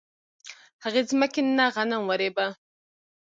هغې ځمکې نه غنم ورېبه